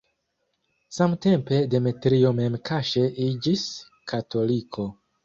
Samtempe Demetrio mem kaŝe iĝis katoliko.